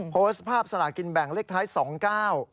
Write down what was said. โพสต์ภาพสลากินแบ่งเลขท้ายสองเก้า